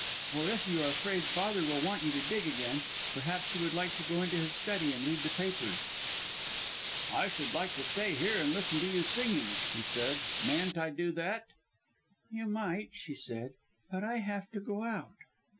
"Or if you are afraid Father will want you to dig again, perhaps you would like to go into his study and read the papers." "I should like to stay here and listen to you singing," he said. "Mayn't I do that?" "You might," she said, "but I have to go out."